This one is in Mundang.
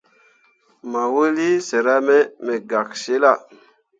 Mayuulii sera me me gak cillah.